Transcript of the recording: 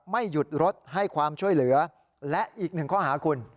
ไม่หยุดรถให้ความช่วยเหลือและอีกหนึ่งข้อหาคุณ